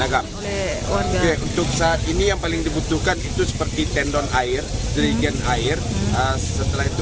agak oke untuk saat ini yang paling dibutuhkan itu seperti tendon air jerigen air setelah itu